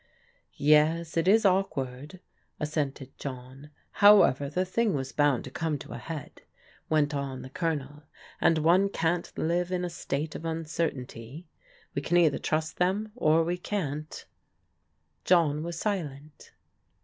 " Yes, it is awkward," assented John. " However, the thing was bound to come to a head," went on the Colonel, " and one can't live in a state of uncertainty. We can either trust them, or we can't." John was silent.